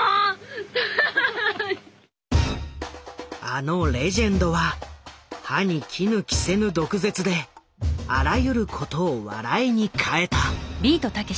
あのレジェンドは歯に衣着せぬ毒舌であらゆることを笑いに変えた。